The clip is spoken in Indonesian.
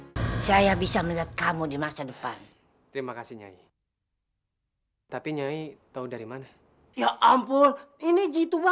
hai saya bisa melihat kamu di masa depan terima kasih tapi nyai tahu dari mana ya ampun ini gitu